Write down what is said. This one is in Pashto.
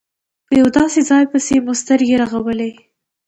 په یو داسې ځای پسې مو سترګې رغولې.